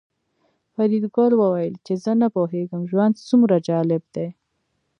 فریدګل وویل چې زه نه پوهېږم ژوند څومره جالب دی